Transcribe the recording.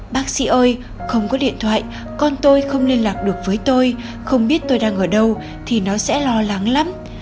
bác sĩ ơi không có điện thoại con tôi không liên lạc được với tôi không biết tôi đang ở đâu thì nó sẽ lo lắng lắm